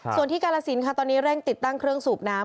ส่วนที่กาลสินค่ะตอนนี้เร่งติดตั้งเครื่องสูบน้ำ